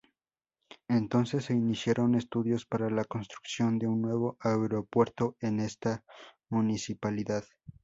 Entonces, se iniciaron estudios para la construcción de un nuevo aeropuerto en esa municipalidad.